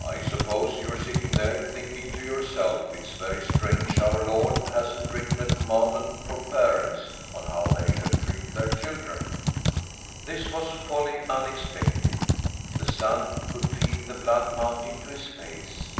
I suppose you're sitting there thinking to yourself it's very strange Our Lord hasn't written a commandment for parents on how they shall treat their children?" This was wholly unexpected. The son could feel the blood mounting to his face.